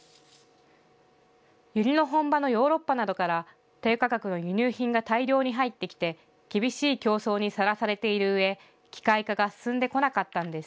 ユリの本場のヨーロッパなどから低価格の輸入品が大量に入ってきて厳しい競争にさらされているうえ機械化が進んでこなかったんです。